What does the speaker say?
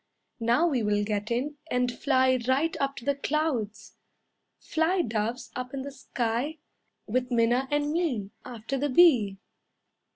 "Now we will get in, and fly right up to the clouds. Fly, Doves, up in the sky, With Minna and me, After the bee."